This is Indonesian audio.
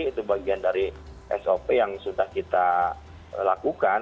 itu bagian dari sop yang sudah kita lakukan